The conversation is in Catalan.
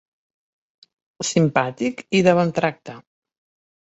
Simpàtic i de bon tracte.